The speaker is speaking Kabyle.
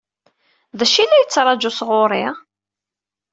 D acu i la tettṛaǧu sɣur-i?